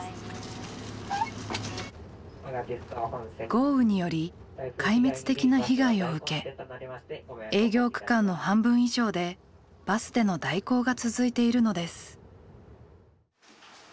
豪雨により壊滅的な被害を受け営業区間の半分以上でバスでの代行が続いているのです。